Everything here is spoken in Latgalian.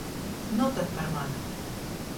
Nu tod par madu.